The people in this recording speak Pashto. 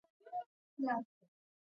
ایا ستاسو کوټه به روښانه وي؟